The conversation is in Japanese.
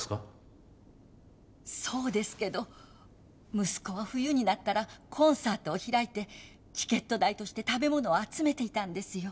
そうですけど息子は冬になったらコンサートを開いてチケット代として食べ物を集めていたんですよ。